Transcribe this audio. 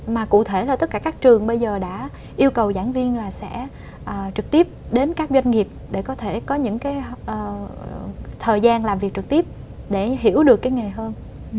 mà cụ thể là tất cả các trường bây giờ đã yêu cầu giảng viên là sẽ trực tiếp đến các doanh nghiệp để có thể có những cái thời gian làm việc trực tiếp để hiểu được cái nghề hơn